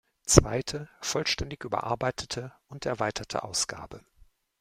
Zweite, vollständig überarbeitete und erweiterte Ausgabe.